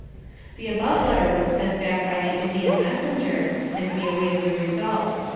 The above letter was sent back by the Indian mes senger, and we awaited the result.